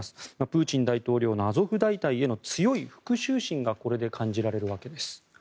プーチン大統領のアゾフ大隊への強い復しゅう心がこれで感じられるわけです。